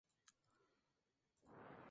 Dentro del portal está disponible esta opción.